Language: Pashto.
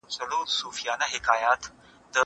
کېدای سي فکر ستونزي ولري؟